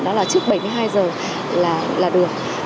trước bảy mươi hai giờ là được